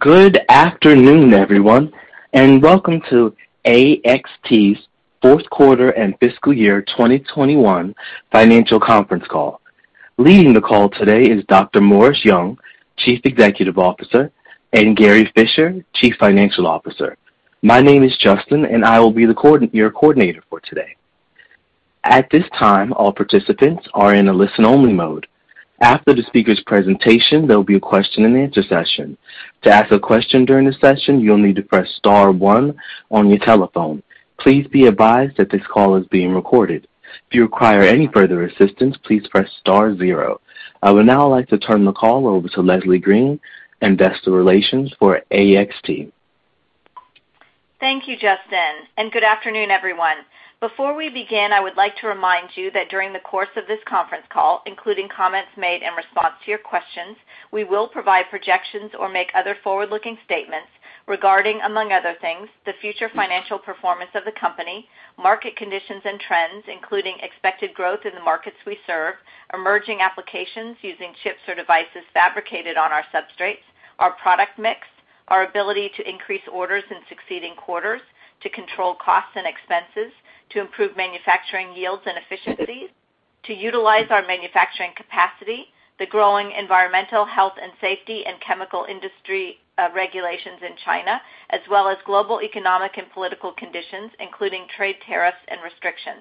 Good afternoon, everyone, and welcome to AXT's Q4 and fiscal year 2021 financial conference call. Leading the call today is Dr. Morris Young, Chief Executive Officer, and Gary Fischer, Chief Financial Officer. My name is Justin, and I will be your coordinator for today. At this time, all participants are in a listen-only mode. After the speakers' presentation, there'll be a question-and-answer session. To ask a question during the session, you'll need to press star one on your telephone. Please be advised that this call is being recorded. If you require any further assistance, please press star zero. I would now like to turn the call over to Leslie Green, Investor Relations for AXT. Thank you, Justin, and good afternoon, everyone. Before we begin, I would like to remind you that during the course of this conference call, including comments made in response to your questions, we will provide projections or make other forward-looking statements regarding, among other things, the future financial performance of the company, market conditions and trends, including expected growth in the markets we serve, emerging applications using chips or devices fabricated on our substrates, our product mix, our ability to increase orders in succeeding quarters, to control costs and expenses, to improve manufacturing yields and efficiencies, to utilize our manufacturing capacity, the growing environmental health and safety and chemical industry, regulations in China, as well as global economic and political conditions, including trade tariffs and restrictions.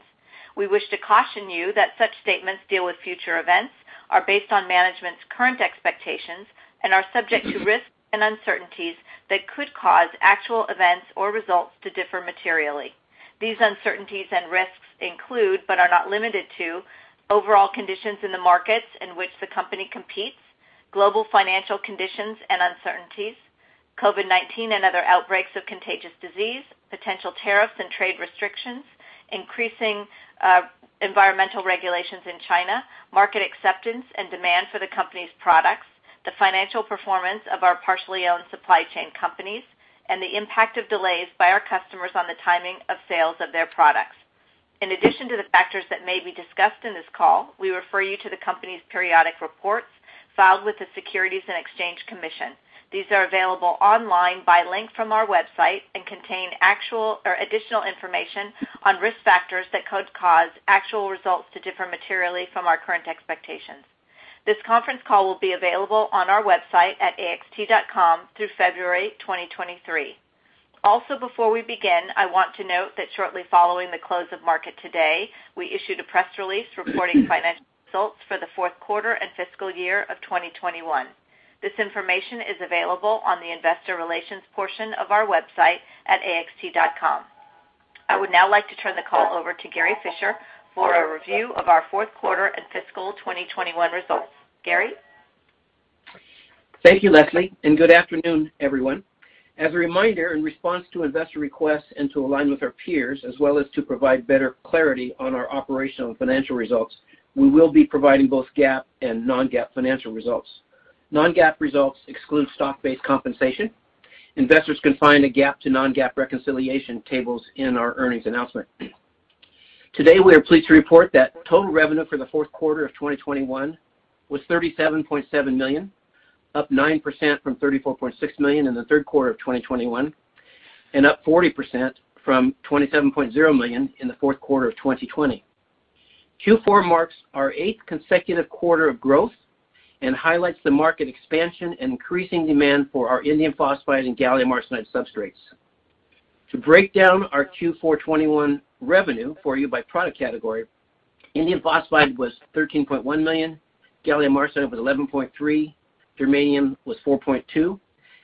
We wish to caution you that such statements deal with future events, are based on management's current expectations, and are subject to risks and uncertainties that could cause actual events or results to differ materially. These uncertainties and risks include, but are not limited to, overall conditions in the markets in which the company competes, global financial conditions and uncertainties, COVID-19 and other outbreaks of contagious disease, potential tariffs and trade restrictions, increasing environmental regulations in China, market acceptance and demand for the company's products, the financial performance of our partially owned supply chain companies, and the impact of delays by our customers on the timing of sales of their products. In addition to the factors that may be discussed in this call, we refer you to the company's periodic reports filed with the Securities and Exchange Commission. These are available online by link from our website and contain actual or additional information on risk factors that could cause actual results to differ materially from our current expectations. This conference call will be available on our website at axt.com through February 2023. Before we begin, I want to note that shortly following the close of market today, we issued a press release reporting financial results for the Q4 and fiscal year of 2021. This information is available on the investor relations portion of our website at axt.com. I would now like to turn the call over to Gary Fischer for a review of our Q4 and fiscal 2021 results. Gary? Thank you, Leslie, and good afternoon, everyone. As a reminder, in response to investor requests and to align with our peers, as well as to provide better clarity on our operational and financial results, we will be providing both GAAP and non-GAAP financial results. Non-GAAP results exclude stock-based compensation. Investors can find the GAAP to non-GAAP reconciliation tables in our earnings announcement. Today, we are pleased to report that total revenue for the Q4 of 2021 was $37.7 million, up 9% from $34.6 million in the third quarter of 2021, and up 40% from $27.0 million in the Q4 of 2020. Q4 marks our eighth consecutive quarter of growth and highlights the market expansion and increasing demand for our indium phosphide and gallium arsenide substrates. To break down our Q4 2021 revenue for you by product category, indium phosphide was $13.1 million, gallium arsenide was $11.3 million, germanium was $4.2 million,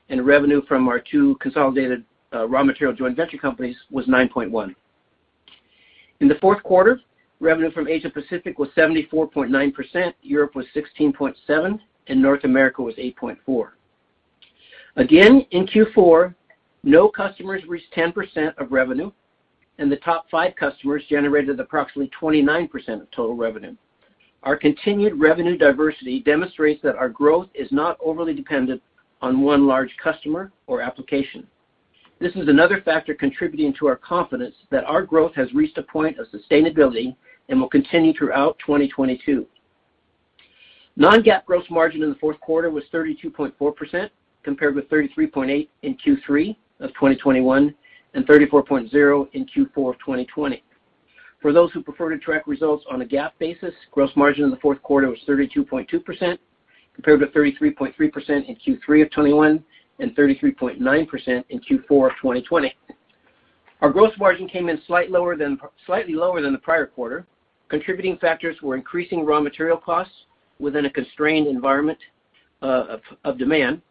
and revenue from our two consolidated raw material joint venture companies was $9.1 million. In the Q4, revenue from Asia Pacific was 74.9%, Europe was 16.7%, and North America was 8.4%. Again, in Q4, no customers reached 10% of revenue, and the top five customers generated approximately 29% of total revenue. Our continued revenue diversity demonstrates that our growth is not overly dependent on one large customer or application. This is another factor contributing to our confidence that our growth has reached a point of sustainability and will continue throughout 2022. Non-GAAP gross margin in the Q4 was 32.4% compared with 33.8% in Q3 of 2021 and 34.0% in Q4 of 2020. For those who prefer to track results on a GAAP basis, gross margin in the Q4 was 32.2% compared with 33.3% in Q3 of 2021 and 33.9% in Q4 of 2020. Our gross margin came in slightly lower than the prior quarter. Contributing factors were increasing raw material costs within a constrained environment of demand,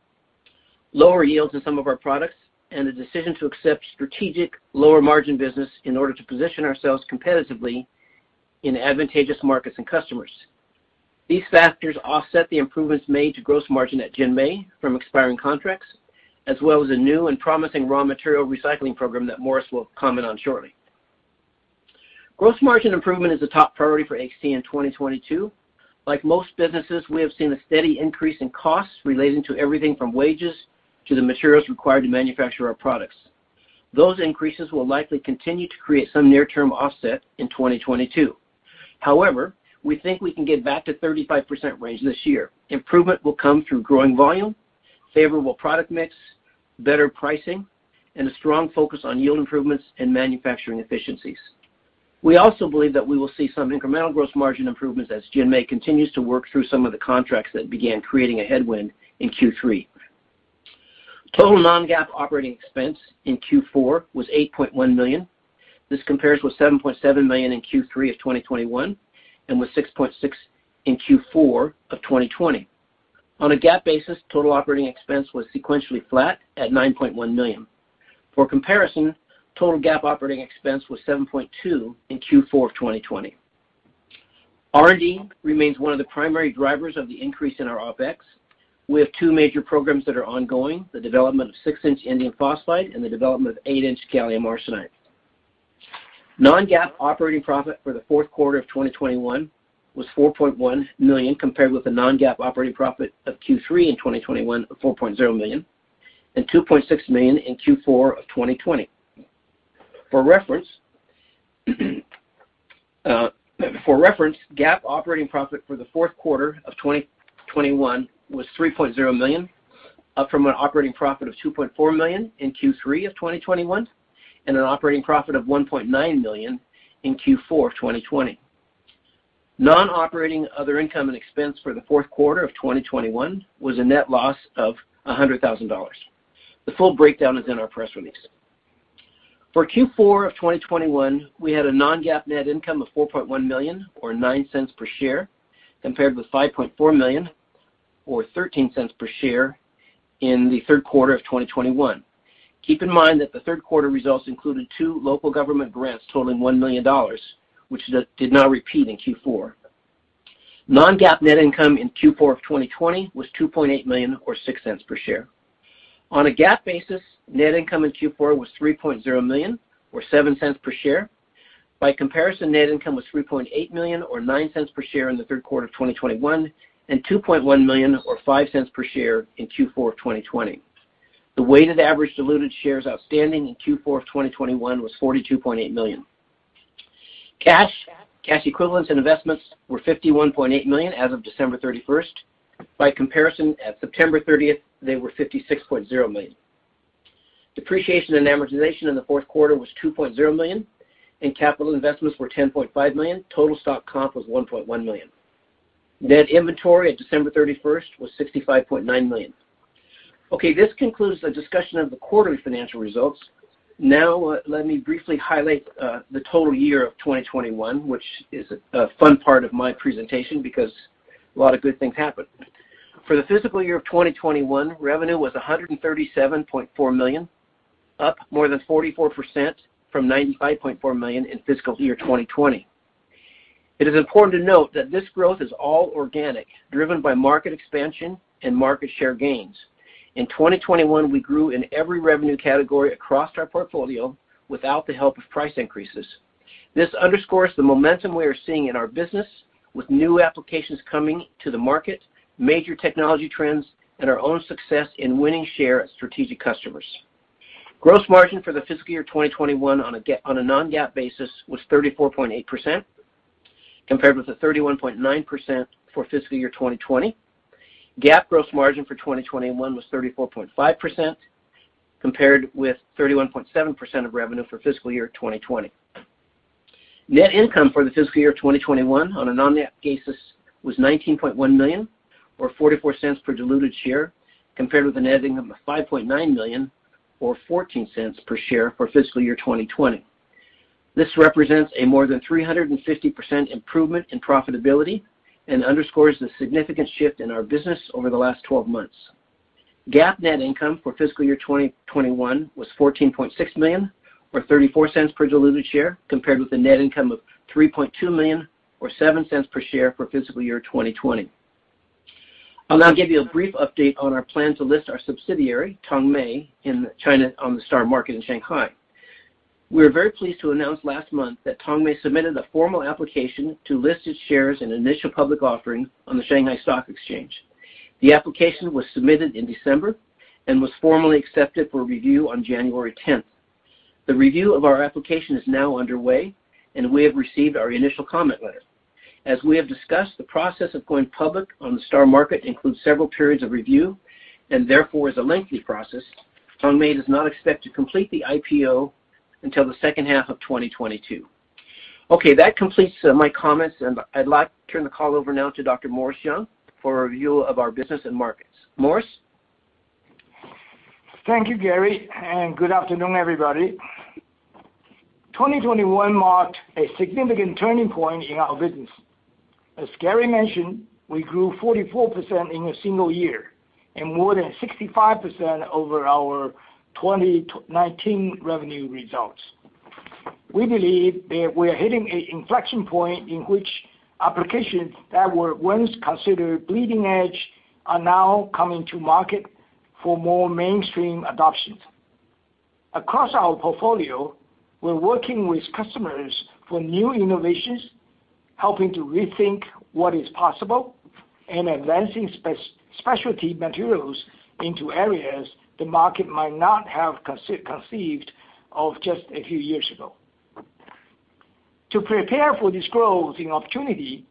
lower yields in some of our products, and a decision to accept strategic lower margin business in order to position ourselves competitively in advantageous markets and customers. These factors offset the improvements made to gross margin at Tongmei from expiring contracts, as well as a new and promising raw material recycling program that Morris will comment on shortly. Gross margin improvement is a top priority for AXT in 2022. Like most businesses, we have seen a steady increase in costs relating to everything from wages to the materials required to manufacture our products. Those increases will likely continue to create some near-term offset in 2022. However, we think we can get back to 35% range this year. Improvement will come through growing volume, favorable product mix, better pricing, and a strong focus on yield improvements and manufacturing efficiencies. We also believe that we will see some incremental gross margin improvements as Tongmei continues to work through some of the contracts that began creating a headwind in Q3. Total non-GAAP operating expense in Q4 was $8.1 million. This compares with $7.7 million in Q3 of 2021 and with $6.6 million in Q4 of 2020. On a GAAP basis, total operating expense was sequentially flat at $9.1 million. For comparison, total GAAP operating expense was $7.2 million in Q4 of 2020. R&D remains one of the primary drivers of the increase in our OpEx. We have two major programs that are ongoing, the development of six-inch indium phosphide and the development of eight-inch gallium arsenide. Non-GAAP operating profit for the Q4 of 2021 was $4.1 million compared with the non-GAAP operating profit of Q3 in 2021 of $4.0 million and $2.6 million in Q4 of 2020. For reference, GAAP operating profit for the Q4 of 2021 was $3.0 million, up from an operating profit of $2.4 million in Q3 of 2021 and an operating profit of $1.9 million in Q4 of 2020. Non-operating other income and expense for the Q4 of 2021 was a net loss of $100,000. The full breakdown is in our press release. For Q4 of 2021, we had a non-GAAP net income of $4.1 million or $0.09 per share, compared with $5.4 million or $0.13 per share in the third quarter of 2021. Keep in mind that the third quarter results included two local government grants totaling $1 million, which did not repeat in Q4. Non-GAAP net income in Q4 of 2020 was $2.8 million or $0.06 per share. On a GAAP basis, net income in Q4 was $3.0 million or $0.07 per share. By comparison, net income was $3.8 million or $0.09 per share in the third quarter of 2021 and $2.1 million or $0.05 per share in Q4 of 2020. The weighted average diluted shares outstanding in Q4 of 2021 was 42.8 million. Cash equivalents and investments were $51.8 million as of December 31. By comparison, at September 30, they were $56.0 million. Depreciation and amortization in the Q4 was $2.0 million and capital investments were $10.5 million. Total stock comp was $1.1 million. Net inventory at December 31 was $65.9 million. Okay, this concludes the discussion of the quarterly financial results. Now let me briefly highlight the total year of 2021, which is a fun part of my presentation because a lot of good things happened. For the fiscal year of 2021, revenue was $137.4 million, up more than 44% from $95.4 million in fiscal year 2020. It is important to note that this growth is all organic, driven by market expansion and market share gains. In 2021, we grew in every revenue category across our portfolio without the help of price increases. This underscores the momentum we are seeing in our business with new applications coming to the market, major technology trends, and our own success in winning share at strategic customers. Gross margin for the fiscal year 2021 on a non-GAAP basis was 34.8% compared with the 31.9% for fiscal year 2020. GAAP gross margin for 2021 was 34.5% compared with 31.7% for fiscal year 2020. Net income for the fiscal year of 2021 on a non-GAAP basis was $19.1 million or $0.44 per diluted share, compared with a net income of $5.9 million or $0.14 per share for fiscal year 2020. This represents a more than 350% improvement in profitability and underscores the significant shift in our business over the last twelve months. GAAP net income for fiscal year 2021 was $14.6 million or $0.34 per diluted share, compared with a net income of $3.2 million or $0.07 per share for fiscal year 2020. I'll now give you a brief update on our plan to list our subsidiary, Tongmei, in China on the STAR Market in Shanghai. We are very pleased to announce last month that Tongmei submitted a formal application to list its shares and initial public offering on the Shanghai Stock Exchange. The application was submitted in December and was formally accepted for review on January 10. The review of our application is now underway, and we have received our initial comment letter. As we have discussed, the process of going public on the STAR Market includes several periods of review and therefore is a lengthy process. Tongmei does not expect to complete the IPO until the second half of 2022. Okay, that completes my comments, and I'd like to turn the call over now to Dr. Morris Young for a review of our business and markets. Morris? Thank you, Gary, and good afternoon, everybody. 2021 marked a significant turning point in our business. As Gary mentioned, we grew 44% in a single year and more than 65% over our 2019 revenue results. We believe that we are hitting an inflection point in which applications that were once considered bleeding edge are now coming to market for more mainstream adoption. Across our portfolio, we're working with customers for new innovations, helping to rethink what is possible, advancing specialty materials into areas the market might not have conceived of just a few years ago. To prepare for this growth and opportunity,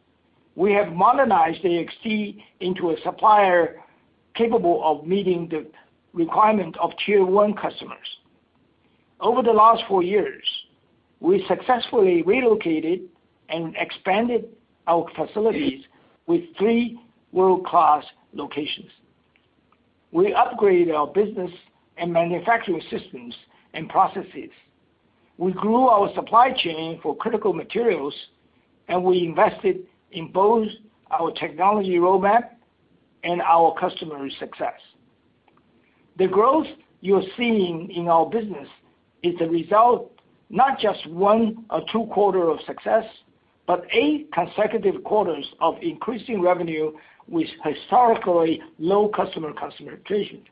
we have modernized AXT into a supplier capable of meeting the requirement of tier one customers. Over the last 4 years, we successfully relocated and expanded our facilities with 3 world-class locations. We upgraded our business and manufacturing systems and processes. We grew our supply chain for critical materials, and we invested in both our technology roadmap and our customer success. The growth you're seeing in our business is a result, not just one or two quarters of success, but 8 consecutive quarters of increasing revenue with historically low customer churn.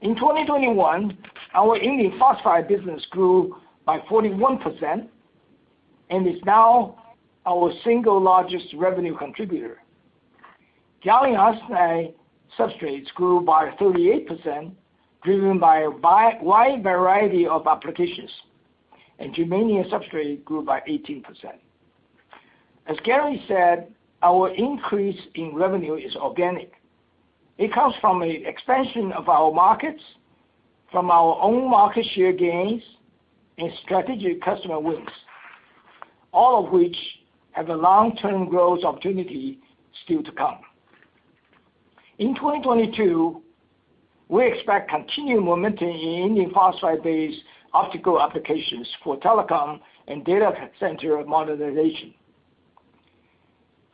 In 2021, our indium phosphide business grew by 41% and is now our single largest revenue contributor. Gallium arsenide substrates grew by 38%, driven by a wide variety of applications. Germanium substrate grew by 18%. As Gary said, our increase in revenue is organic. It comes from an expansion of our markets, from our own market share gains, and strategic customer wins, all of which have a long-term growth opportunity still to come. In 2022, we expect continued momentum in indium phosphide-based optical applications for telecom and data center modernization.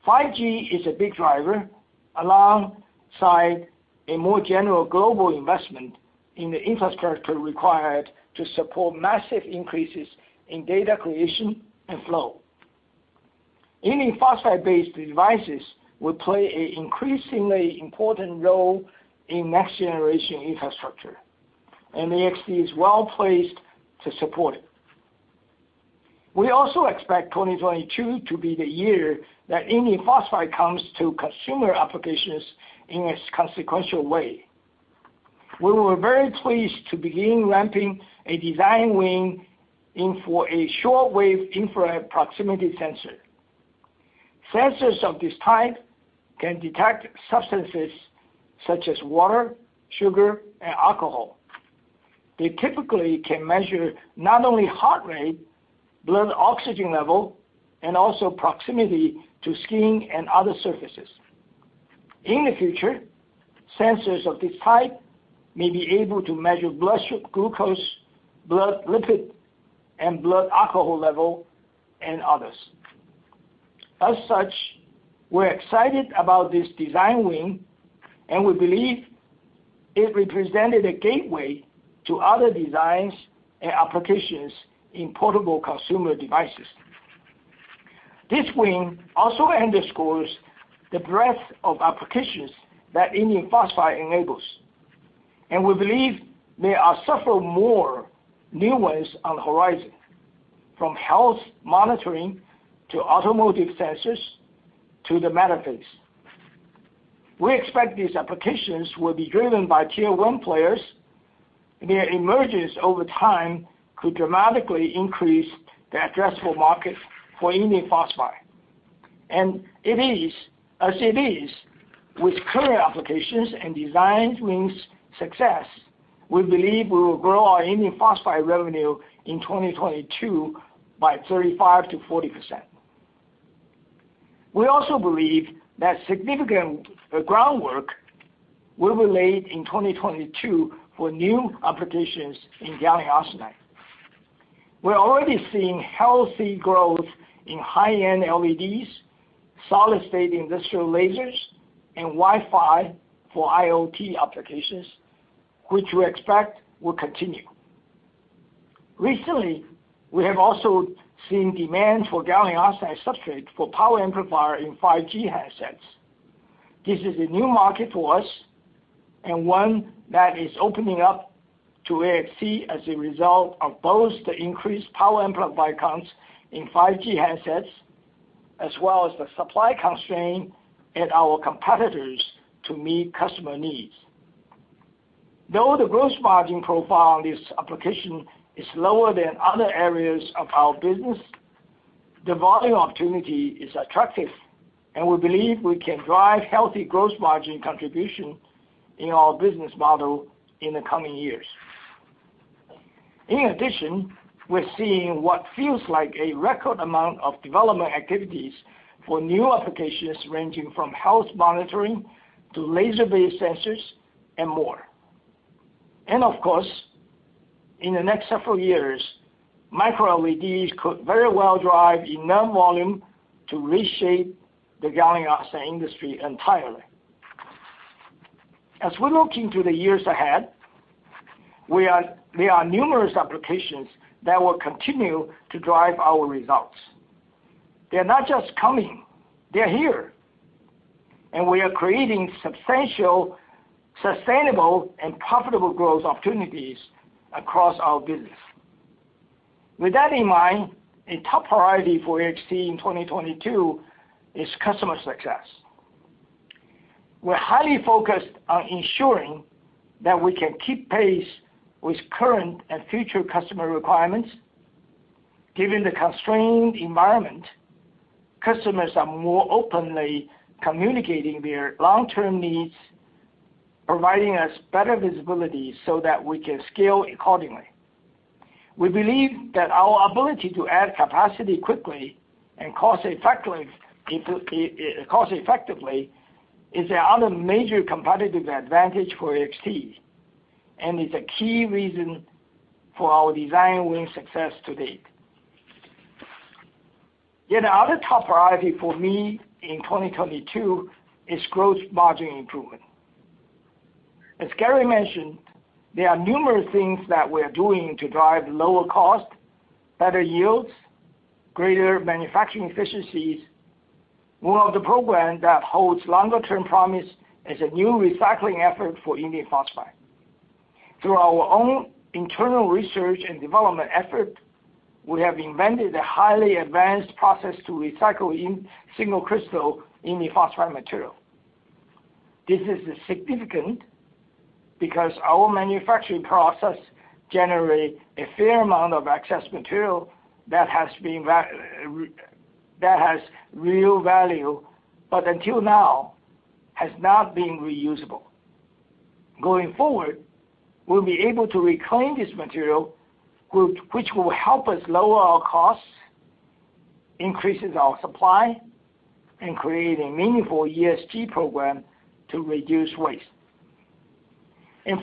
5G is a big driver, alongside a more general global investment in the infrastructure required to support massive increases in data creation and flow. Indium phosphide-based devices will play an increasingly important role in next generation infrastructure, and AXT is well-placed to support it. We also expect 2022 to be the year that indium phosphide comes to consumer applications in a consequential way. We were very pleased to begin ramping a design win in for a short wave infrared proximity sensor. Sensors of this type can detect substances such as water, sugar, and alcohol. They typically can measure not only heart rate, blood oxygen level, and also proximity to skin and other surfaces. In the future, sensors of this type may be able to measure blood glucose, blood lipid, and blood alcohol level, and others. As such, we're excited about this design win, and we believe it represented a gateway to other designs and applications in portable consumer devices. This win also underscores the breadth of applications that indium phosphide enables, and we believe there are several more new ones on the horizon, from health monitoring to automotive sensors to the Metaverse. We expect these applications will be driven by tier one players. Their emergence over time could dramatically increase the addressable market for indium phosphide. As it is with current applications and design wins success, we believe we will grow our indium phosphide revenue in 2022 by 35%-40%. We also believe that significant groundwork will be laid in 2022 for new applications in gallium arsenide. We're already seeing healthy growth in high-end LEDs, solid-state industrial lasers, and Wi-Fi for IoT applications, which we expect will continue. Recently, we have also seen demand for gallium arsenide substrate for power amplifier in 5G handsets. This is a new market for us and one that is opening up to AXT as a result of both the increased power amplifier counts in 5G handsets, as well as the supply constraint at our competitors to meet customer needs. Though the gross margin profile on this application is lower than other areas of our business, the volume opportunity is attractive, and we believe we can drive healthy gross margin contribution in our business model in the coming years. In addition, we're seeing what feels like a record amount of development activities for new applications ranging from health monitoring to laser-based sensors and more. Of course, in the next several years, microLEDs could very well drive enough volume to reshape the gallium arsenide industry entirely. As we look into the years ahead, there are numerous applications that will continue to drive our results. They're not just coming, they're here, and we are creating substantial, sustainable, and profitable growth opportunities across our business. With that in mind, a top priority for AXT in 2022 is customer success. We're highly focused on ensuring that we can keep pace with current and future customer requirements. Given the constrained environment, customers are more openly communicating their long-term needs, providing us better visibility so that we can scale accordingly. We believe that our ability to add capacity quickly and cost effectively is another major competitive advantage for AXT and is a key reason for our design win success to date. Yet another top priority for me in 2022 is gross margin improvement. As Gary mentioned, there are numerous things that we're doing to drive lower cost, better yields, greater manufacturing efficiencies. One of the program that holds longer term promise is a new recycling effort for indium phosphide. Through our own internal research and development effort, we have invented a highly advanced process to recycle in single crystal indium phosphide material. This is significant because our manufacturing process generate a fair amount of excess material that has real value, but until now has not been reusable. Going forward, we'll be able to reclaim this material, which will help us lower our costs, increases our supply, and create a meaningful ESG program to reduce waste.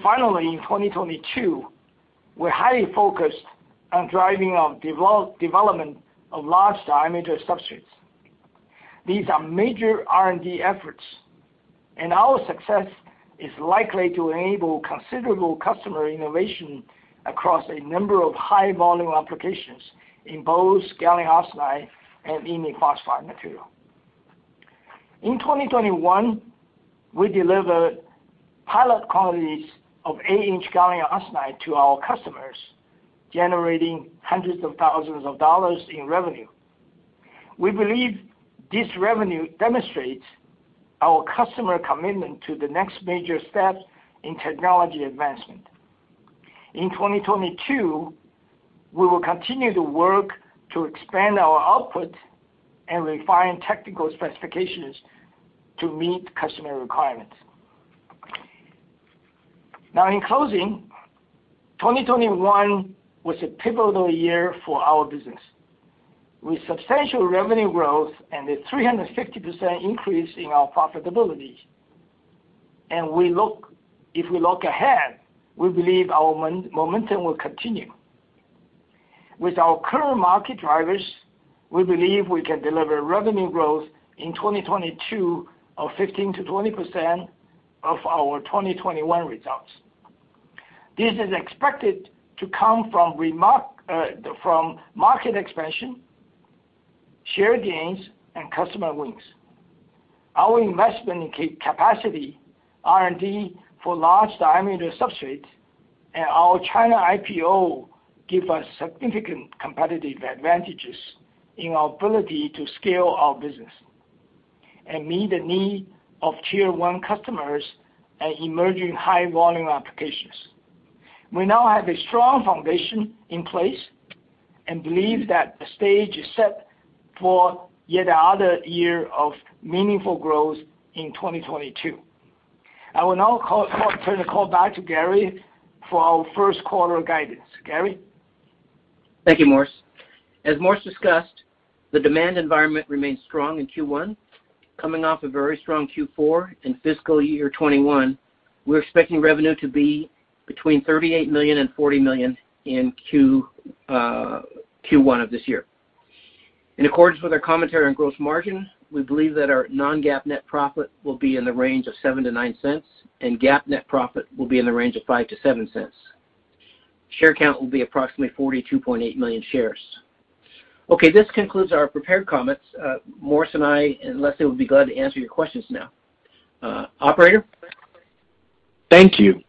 Finally, in 2022, we're highly focused on driving our development of large diameter substrates. These are major R&D efforts, and our success is likely to enable considerable customer innovation across a number of high volume applications in both gallium arsenide and indium phosphide material. In 2021, we delivered pilot quantities of eight-inch gallium arsenide to our customers, generating $hundreds of thousands in revenue. We believe this revenue demonstrates our customer commitment to the next major step in technology advancement. In 2022, we will continue to work to expand our output and refine technical specifications to meet customer requirements. Now, in closing, 2021 was a pivotal year for our business. With substantial revenue growth and a 350% increase in our profitability. If we look ahead, we believe our momentum will continue. With our current market drivers, we believe we can deliver revenue growth in 2022 of 15%-20% of our 2021 results. This is expected to come from market expansion, share gains, and customer wins. Our investment capacity, R&D for large diameter substrate, and our China IPO give us significant competitive advantages in our ability to scale our business and meet the need of tier one customers and emerging high volume applications. We now have a strong foundation in place and believe that the stage is set for yet another year of meaningful growth in 2022. I will now turn the call back to Gary for our Q1 guidance. Gary? Thank you, Morris. As Morris discussed, the demand environment remains strong in Q1. Coming off a very strong Q4 in fiscal year 2021, we're expecting revenue to be between $38 million and $40 million in Q1 of this year. In accordance with our commentary on gross margin, we believe that our non-GAAP net profit will be in the range of $0.07-$0.09, and GAAP net profit will be in the range of $0.05-$0.07. Share count will be approximately 42.8 million shares. Okay, this concludes our prepared comments. Morris and I and Leslie will be glad to answer your questions now. Operator? Thank you.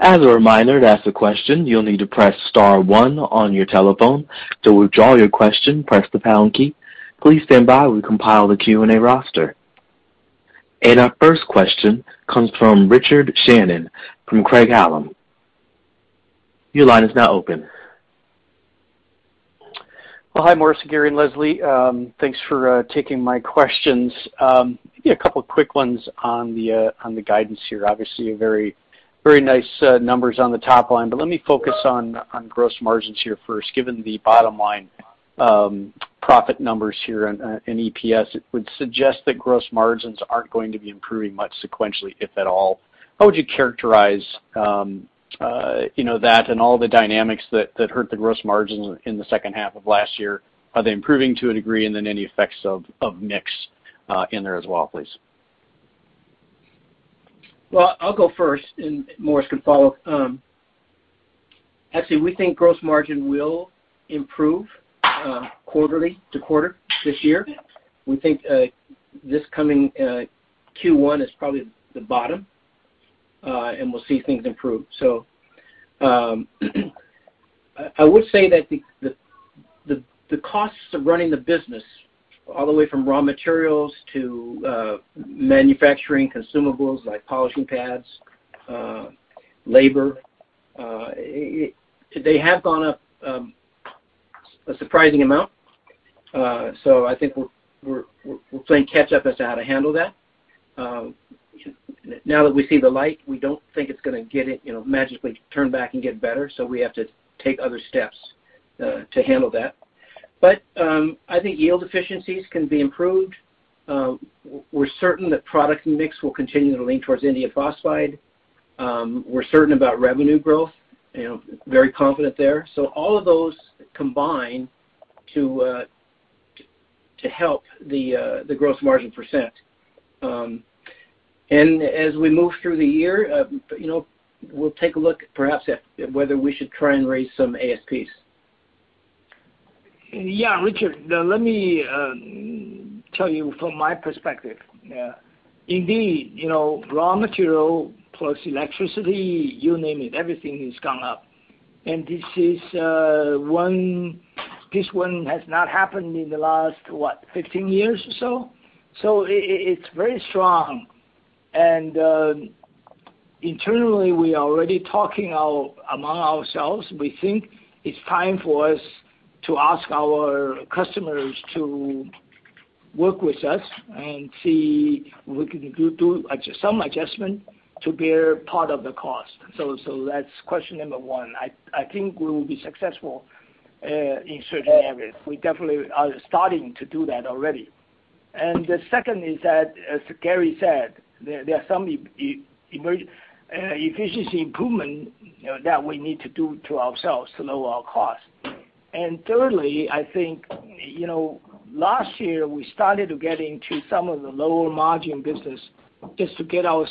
As a reminder, to ask a question, you'll need to press star one on your telephone. To withdraw your question, press the pound key. Please stand by while we compile the Q&A roster. Our first question comes from Richard Shannon from Craig-Hallum. Your line is now open. Well, hi, Morris, Gary, and Leslie. Thanks for taking my questions. Maybe a couple of quick ones on the guidance here. Obviously, a very, very nice numbers on the top line. Let me focus on gross margins here first, given the bottom line profit numbers here and EPS. It would suggest that gross margins aren't going to be improving much sequentially, if at all. How would you characterize you know, that and all the dynamics that hurt the gross margins in the second half of last year? Are they improving to a degree? And then any effects of mix in there as well, please? Well, I'll go first, and Morris can follow up. Actually, we think gross margin will improve quarterly to quarter this year. We think this coming Q1 is probably the bottom. We'll see things improve. I would say that the costs of running the business all the way from raw materials to manufacturing consumables like polishing pads, labor, they have gone up a surprising amount. I think we're playing catch up as to how to handle that. Now that we see the light, we don't think it's gonna get, you know, magically turn back and get better, so we have to take other steps to handle that. I think yield efficiencies can be improved. We're certain that product mix will continue to lean towards indium phosphide. We're certain about revenue growth, you know, very confident there. All of those combine to help the gross margin percent. As we move through the year, you know, we'll take a look perhaps at whether we should try and raise some ASPs. Yeah, Richard, let me tell you from my perspective. Yeah. Indeed, you know, raw material plus electricity, you name it, everything has gone up. This one has not happened in the last, what, 15 years or so. It is very strong. Internally, we are already talking about among ourselves. We think it is time for us to ask our customers to work with us and see if we can do some adjustment to bear part of the cost. That is question number one. I think we will be successful in certain areas. We definitely are starting to do that already. The second is that, as Gary said, there are some efficiency improvement, you know, that we need to do to ourselves to lower our costs. Thirdly, I think, you know, last year, we started to get into some of the lower margin business just to get our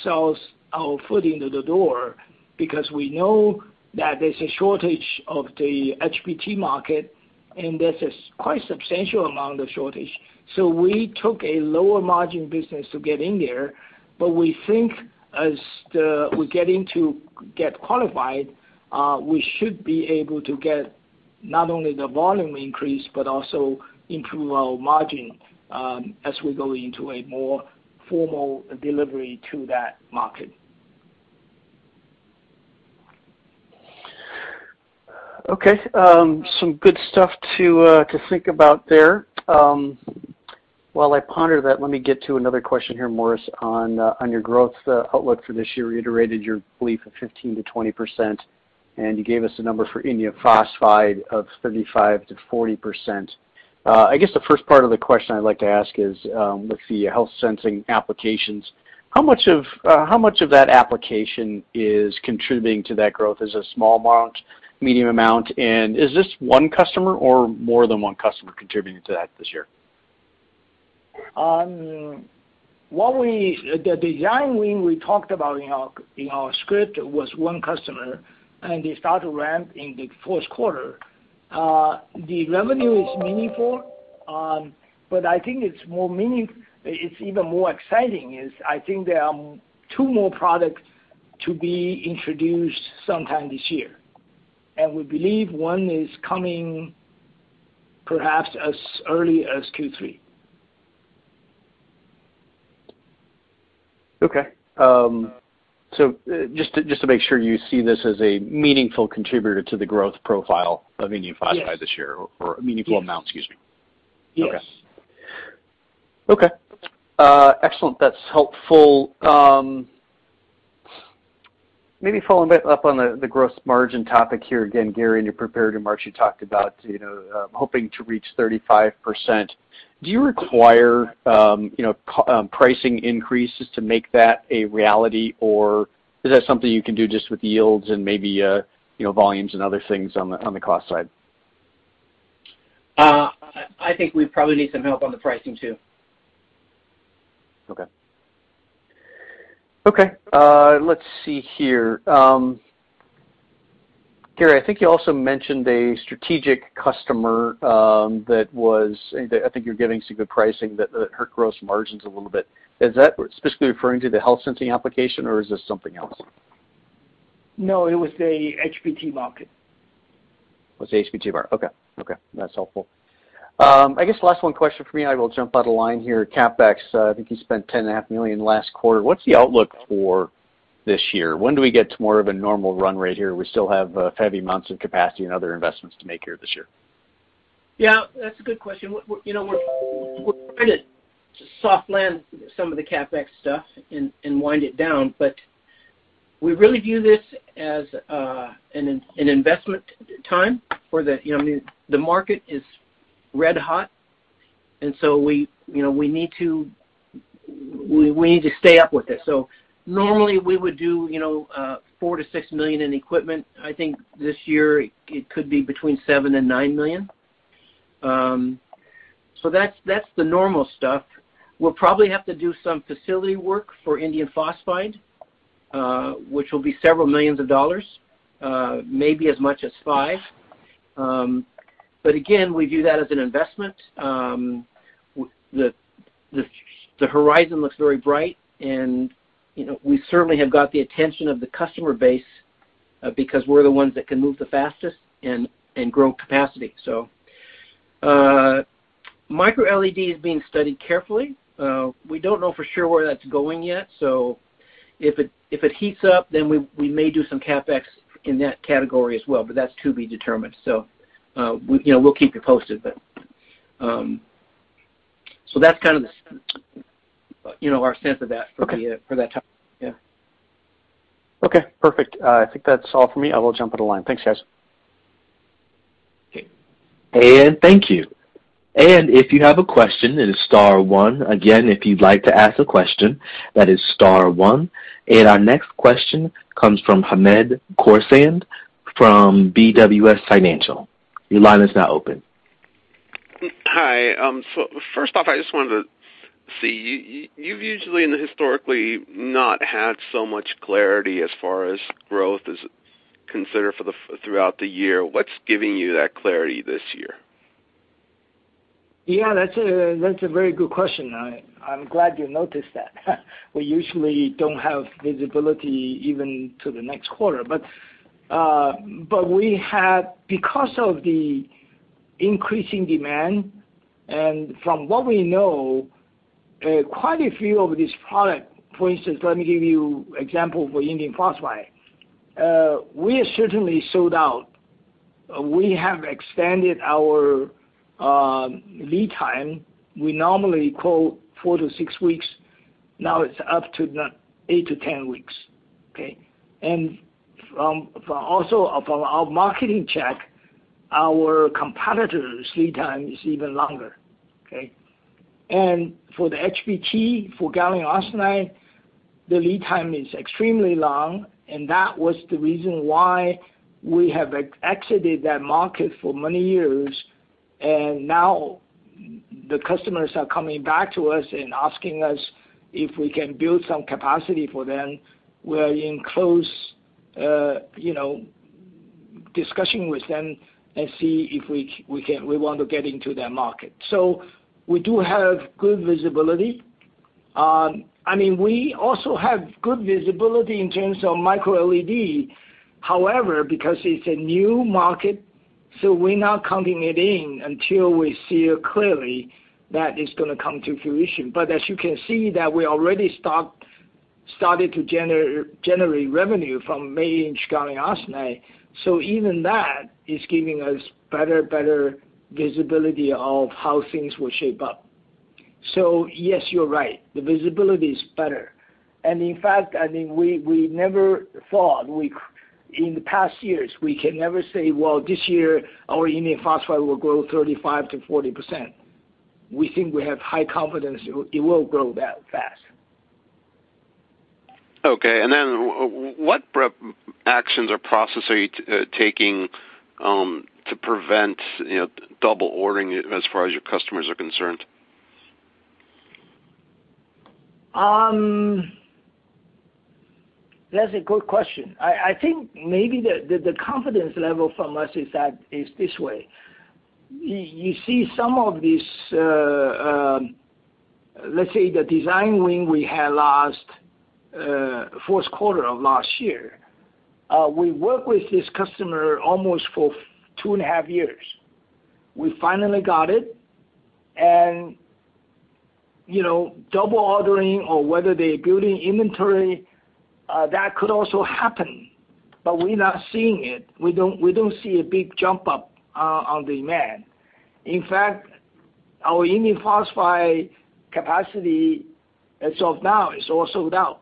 foot in the door because we know that there's a shortage in the HBT market, and there's a quite substantial amount of shortage. We took a lower margin business to get in there, but we think as we're getting qualified, we should be able to get not only the volume increase, but also improve our margin, as we go into a more formal delivery to that market. Okay. Some good stuff to think about there. While I ponder that, let me get to another question here, Morris, on your growth outlook for this year. You reiterated your belief of 15%-20%, and you gave us a number for indium phosphide of 35%-40%. I guess the first part of the question I'd like to ask is, with the health sensing applications, how much of that application is contributing to that growth? Is it a small amount, medium amount? And is this one customer or more than one customer contributing to that this year? The design win we talked about in our script was one customer, and they start to ramp in the Q4. The revenue is meaningful, but I think it's even more exciting is I think there are two more products to be introduced sometime this year, and we believe one is coming perhaps as early as Q3. Just to make sure you see this as a meaningful contributor to the growth profile of indium phosphide. Yes. this year or a meaningful amount, excuse me. Yes. Okay. Excellent. That's helpful. Maybe following back up on the gross margin topic here again, Gary, in your prepared remarks, you talked about, you know, hoping to reach 35%. Do you require, you know, pricing increases to make that a reality, or is that something you can do just with yields and maybe, you know, volumes and other things on the cost side? I think we probably need some help on the pricing too. Gary, I think you also mentioned a strategic customer that you're getting some good pricing that hurt gross margins a little bit. Is that specifically referring to the health sensing application, or is this something else? No, it was a HBT market. Was the HBT market. Okay. Okay, that's helpful. I guess last one question for me, I will jump out of line here. CapEx, I think you spent $10.5 million last quarter. What's the outlook for this year? When do we get to more of a normal run rate here? We still have heavy amounts of capacity and other investments to make here this year. Yeah, that's a good question. We, you know, we're trying to soft land some of the CapEx stuff and wind it down, but we really view this as an investment time for the, you know what I mean? The market is red hot, and so we, you know, we need to stay up with it. Normally we would do, you know, $4 million-$6 million in equipment. I think this year it could be between $7 million and $9 million. That's the normal stuff. We'll probably have to do some facility work for indium phosphide, which will be several million dollars, maybe as much as $5 million. Again, we view that as an investment. The horizon looks very bright, you know, we certainly have got the attention of the customer base because we're the ones that can move the fastest and grow capacity. MicroLED is being studied carefully. We don't know for sure where that's going yet, so if it heats up, then we may do some CapEx in that category as well, but that's to be determined. We, you know, we'll keep you posted. That's the, you know, our sense of that. Okay. For that time. Yeah. Okay, perfect. I think that's all for me. I will jump on the line. Thanks, guys. Okay. Thank you. If you have a question, it is star one. Again, if you'd like to ask a question, that is star one. Our next question comes from Hamed Khorsand from BWS Financial. Your line is now open. Hi. First off, I just wanted to say, you've usually and historically not had so much clarity as far as growth is considered throughout the year. What's giving you that clarity this year? Yeah, that's a very good question. I'm glad you noticed that. We usually don't have visibility even to the next quarter. Because of the increasing demand and from what we know, quite a few of these product points, and let me give you example for indium phosphide. We are certainly sold out. We have extended our lead time. We normally quote 4-6 weeks, now it's up to the 8-10 weeks. Okay? From our marketing check also, our competitor's lead time is even longer, okay? For the HBT, for gallium arsenide, the lead time is extremely long, and that was the reason why we have exited that market for many years. Now the customers are coming back to us and asking us if we can build some capacity for them. We're in close, you know, discussion with them and see if we want to get into that market. We do have good visibility. I mean, we also have good visibility in terms of microLED. However, because it's a new market, we're not counting it in until we see it clearly that it's gonna come to fruition. As you can see that we already started to generate revenue from eight-inch gallium arsenide, even that is giving us better visibility of how things will shape up. Yes, you're right, the visibility is better. In fact, I mean, we never thought. In the past years, we can never say, "Well, this year our indium phosphide will grow 35%-40%." We think we have high confidence it will grow that fast. Okay. What prep actions or process are you taking to prevent, you know, double ordering as far as your customers are concerned? That's a good question. I think maybe the confidence level from us is this way. You see some of these, let's say the design win we had last Q4 of last year. We worked with this customer almost for two and a half years. We finally got it and, you know, double ordering or whether they're building inventory, that could also happen, but we're not seeing it. We don't see a big jump up on demand. In fact, our indium phosphide capacity as of now is all sold out.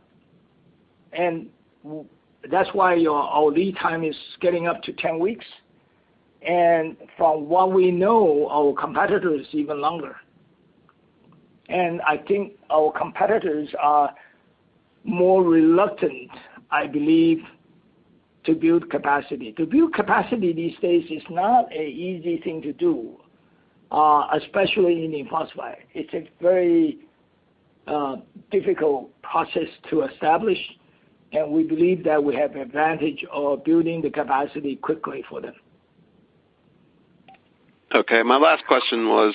That's why our lead time is getting up to 10 weeks. From what we know, our competitor is even longer. I think our competitors are more reluctant, I believe, to build capacity. To build capacity these days is not an easy thing to do, especially indium phosphide. It's a very difficult process to establish, and we believe that we have an advantage of building the capacity quickly for them. Okay. My last question was,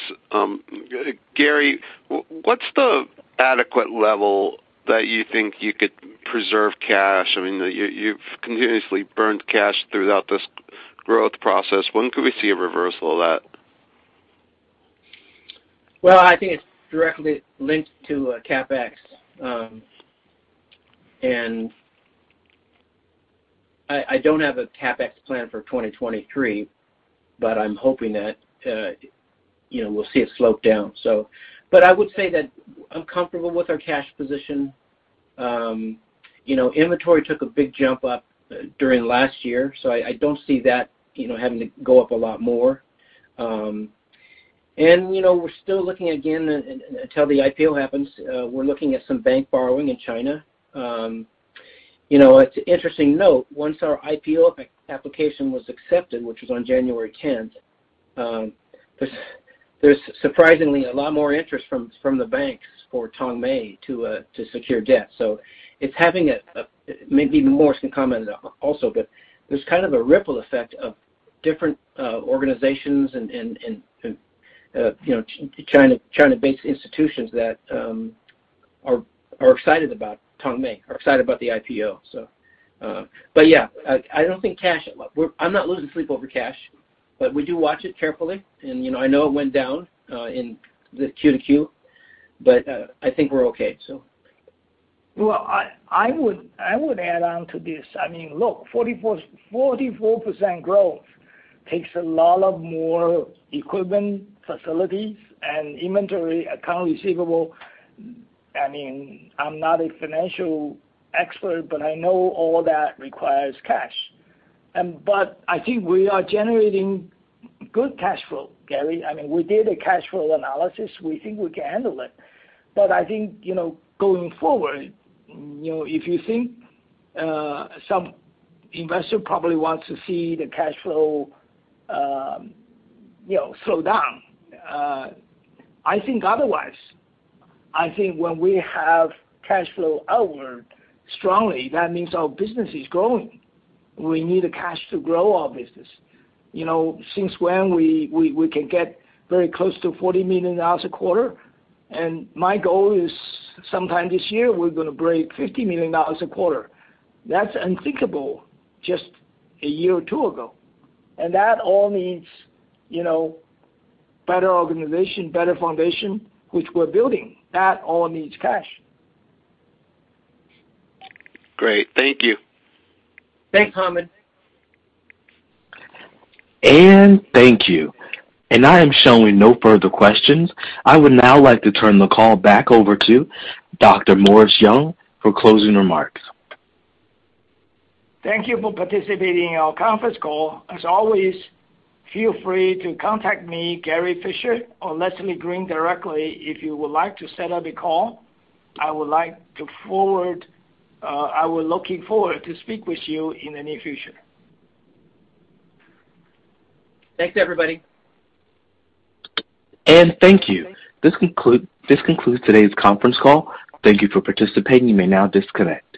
Gary, what's the adequate level that you think you could preserve cash? I mean, you've continuously burned cash throughout this growth process. When could we see a reversal of that? Well, I think it's directly linked to CapEx. I don't have a CapEx plan for 2023, but I'm hoping that, you know, we'll see it slope down. I would say that I'm comfortable with our cash position. You know, inventory took a big jump up during last year, so I don't see that, you know, having to go up a lot more. You know, we're still looking again until the IPO happens, we're looking at some bank borrowing in China. You know, it's interesting note, once our IPO application was accepted, which was on January 10, there's surprisingly a lot more interest from the banks for Tongmei to secure debt. It's having a, maybe Morris can comment also, but there's a ripple effect of different organizations and, you know, China-based institutions that are excited about Tongmei, are excited about the IPO. Yeah, I'm not losing sleep over cash, but we do watch it carefully and, you know, I know it went down in the Q to Q, but I think we're okay. Well, I would add on to this. I mean, look, 44% growth takes a lot more equipment, facilities and inventory, accounts receivable. I mean, I'm not a financial expert, but I know all that requires cash. I think we are generating good cash flow, Gary. I mean, we did a cash flow analysis. We think we can handle it. I think, you know, going forward, you know, if you think some investor probably wants to see the cash flow slow down, I think otherwise. I think when we have cash flow outward strongly, that means our business is growing. We need the cash to grow our business. You know, since when we can get very close to $40 million a quarter, and my goal is sometime this year, we're gonna break $50 million a quarter. That's unthinkable just a year or two ago. That all needs, you know, better organization, better foundation, which we're building. That all needs cash. Great. Thank you. Thanks, Hamed. Thank you. I am showing no further questions. I would now like to turn the call back over to Dr. Morris Young for closing remarks. Thank you for participating in our conference call. As always, feel free to contact me, Gary Fischer or Leslie Green directly if you would like to set up a call. I would looking forward to speak with you in the near future. Thanks, everybody. Thank you. This concludes today's conference call. Thank you for participating. You may now disconnect.